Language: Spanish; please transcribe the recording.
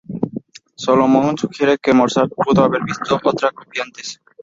Solomon sugiere que Mozart pudo haber visto otra copia antes.